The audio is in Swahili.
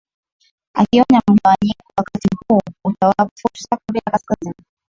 akionya mgawanyiko wakati huu utawapa fursa korea kaskazini